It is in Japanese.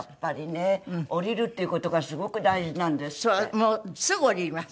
もうすぐ降ります